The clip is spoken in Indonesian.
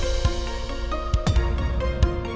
gimana sekarang suri